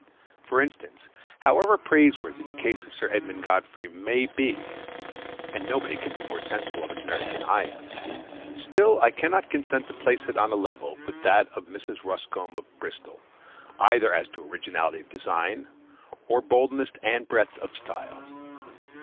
For instance, however praiseworthy the case of Sir Edmondbury Godfrey may be (and nobody can be more sensible of its merits than I am), still I cannot consent to place it on a level with that of Mrs. Ruscombe of Bristol, either as to originality of design, or boldness and breadth of style.